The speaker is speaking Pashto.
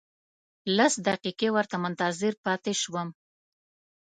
لس دقیقې ورته منتظر پاتې شوم.